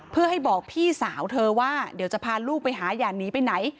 เพื่อให้บอกพี่สาวเธอว่าเดี๋ยวจะพาลูกไปหาอย่าหนีไปไหน